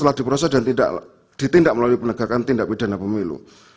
setelah diproses dan tidak ditindak melalui penegakan tindak pidana pemilu